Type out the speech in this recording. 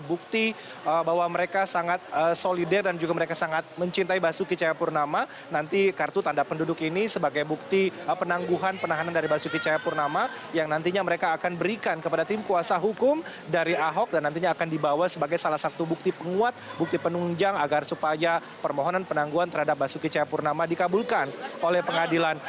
basuki cahayapurnama nanti kartu tanda penduduk ini sebagai bukti penangguhan penahanan dari basuki cahayapurnama yang nantinya mereka akan berikan kepada tim kuasa hukum dari ahok dan nantinya akan dibawa sebagai salah satu bukti penguat bukti penunjang agar supaya permohonan penangguhan terhadap basuki cahayapurnama dikabulkan oleh pengadilan